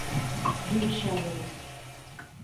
Good Shabbos.